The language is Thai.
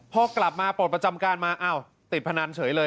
พอกลับมาปลดประจำการมาอ้าวติดพนันเฉยเลย